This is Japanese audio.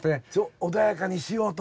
穏やかにしようと。